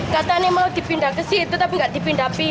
katanya mau dipindah ke situ tapi enggak dipindah